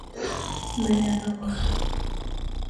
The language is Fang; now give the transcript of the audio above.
Ma yane wa.